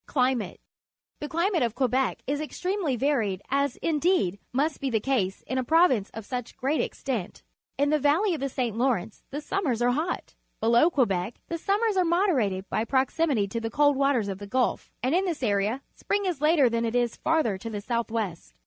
Climate. — The climate of (Quebec is extremely varied, as, indeed, must be the case in a province of such great extent. In the valley of the St. Lawrence tlie summers are hot. Below Quebec the sum me rs are moderated by proxi mity to the cold waters of the Gulf, and in this area spring is later than it is farther to the south west.